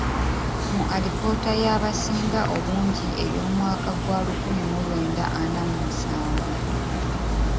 Mu alipoota y’abasinga obungi ey’omwaka gwa lukumi mu lwenda ana mu musanvu.